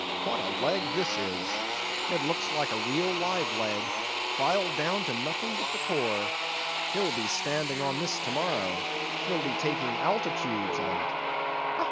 What a leg this is! It looks like a real live leg, filed down to nothing but the core; he'll be standing on this to morrow; he'll be taking altitudes on it.